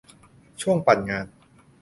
ช่วงปั่นงาน